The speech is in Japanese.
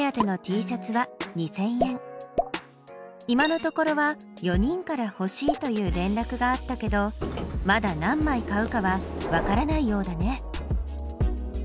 今のところは４人から欲しいという連絡があったけどまだ何枚買うかはわからないようだね。